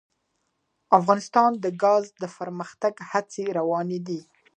افغانستان کې د ګاز د پرمختګ هڅې روانې دي.